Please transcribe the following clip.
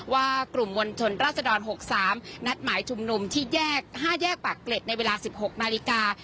ว่ากลุ่มมวลชนราศดร๖๓นัดหมายชุมนุมที่แยก๕แยกปากเกร็ดในเวลา๑๖นาฬิกา